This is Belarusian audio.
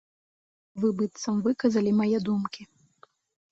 Вы быццам выказалі мае думкі.